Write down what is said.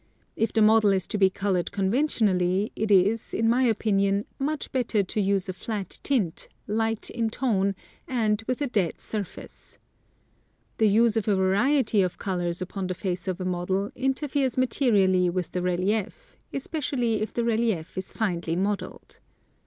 If the model is to be colored conventionally it is, in my opinion, much better to use a flat tint, light in tone, and with a dead surface. The use of a variety of colors upon the face of a model interferes materially with the relief, especially if the relief is finely modeled.